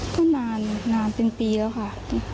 ก็นานนานเป็นปีแล้วค่ะ